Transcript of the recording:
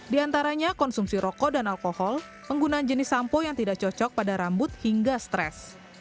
di antaranya konsumsi rokok dan alkohol penggunaan jenis sampo yang tidak cocok pada rambut hingga stres